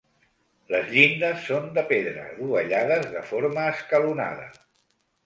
Les llindes són de pedra, dovellades de forma escalonada.